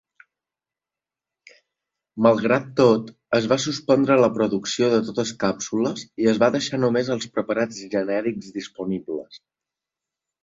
Malgrat tot, es va suspendre la producció de totes càpsules i es van deixar només els preparats genèrics disponibles.